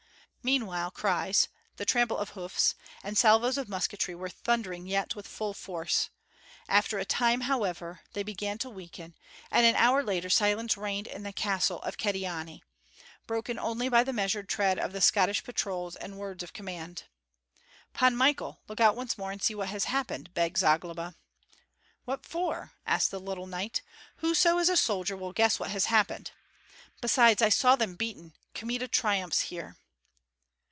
Meanwhile cries, the trample of hoofs, and salvos of musketry were thundering yet with full force; after a time, however, they began to weaken, and an hour later silence reigned in the castle of Kyedani, broken only by the measured tread of the Scottish patrols and words of command. "Pan Michael, look out once more and see what has happened," begged Zagloba. "What for?" asked the little knight. "Whoso is a soldier will guess what has happened. Besides, I saw them beaten, Kmita triumphs here!"